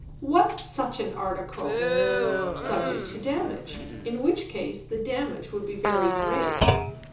"What 'such an article'?" "Subject to damage; in which case the damage would be very great."